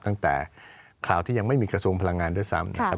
ตั้งแต่ข่าวที่ยังไม่มีกระทรวงพลังงานด้วยซ้ำนะครับ